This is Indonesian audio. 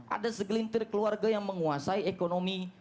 ada segelintir keluarga yang menguasai ekonomi